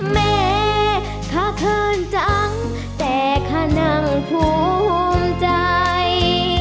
แม่ข้าเขินจังแต่ขนั่งภูมิใจ